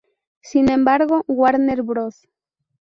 Sin embargo, Warner Bros.